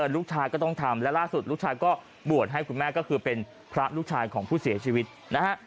ลูกชายก็ต้องทำและล่าสุดลูกชายก็บวชให้คุณแม่ก็คือเป็นพระลูกชายของผู้เสียชีวิตนะฮะ